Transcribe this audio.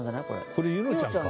これ柚乃ちゃんか。